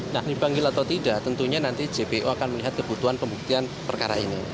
nah dipanggil atau tidak tentunya nanti jpu akan melihat kebutuhan pembuktian perkara ini